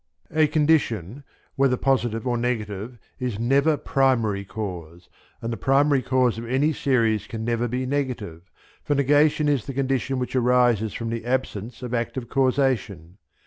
A condition, whether positive or negative, is never primary cause, and the primary cause of any series can never be negative, for negation is the condition which arises from the absence of active causation.